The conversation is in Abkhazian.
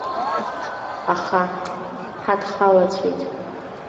Аха ҳадхалацәеит.